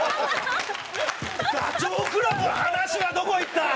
ダチョウ倶楽部の話はどこ行った？